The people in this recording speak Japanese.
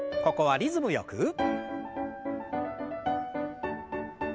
ここはリズムよく。